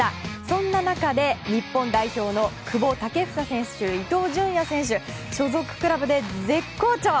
そんな中で日本代表の久保建英選手伊東純也選手所属クラブで絶好調！